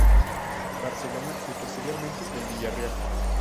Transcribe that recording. Barcelona y, posteriormente, del Villarreal.